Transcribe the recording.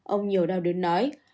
ông nhiều đau đớn nói